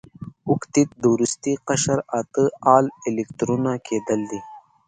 اوکتیت د وروستي قشر اته ال الکترونه کیدل دي.